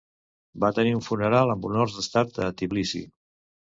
Va tenir un funeral amb honors d'estat a Tbilisi.